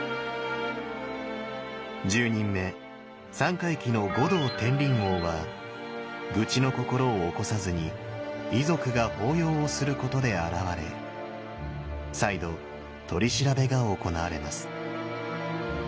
１０人目三回忌の五道転輪王は愚痴の心を起こさずに遺族が法要をすることで現れ再度取り調べが行われます。